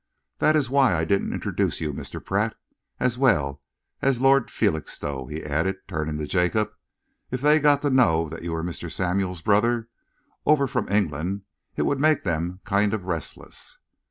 That is why I didn't introduce you, Mr. Pratt, as well as Lord Felixstowe," he added, turning to Jacob. "If they got to know that you were Mr. Samuel's brother, over from England, it would make them kind of restless."